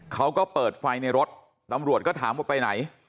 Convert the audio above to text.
เขาก็เปิดไฟในรถตำรวจก็ถามว่าไปไหน